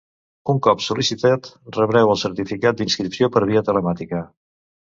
Un cop sol·licitat, rebreu el certificat d'inscripció per via telemàtica.